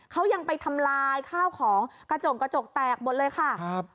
เขายังไปทำลายข้าวของกระจกกระจกแตกหมดเลยค่ะครับ